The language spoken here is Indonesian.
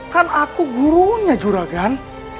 kan aku gurunya juragan